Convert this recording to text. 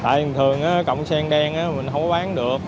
tại bình thường cọng sen đen mình không có bán được